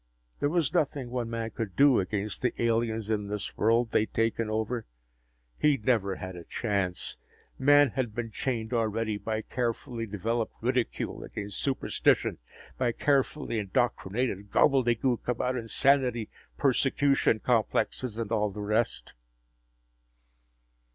There was nothing one man could do against the aliens in this world they had taken over. He'd never had a chance. Man had been chained already by carefully developed ridicule against superstition, by carefully indoctrinated gobbledegook about insanity, persecution complexes, and all the rest.